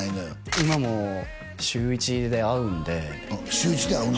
今も週１で会うんであっ週１で会うの？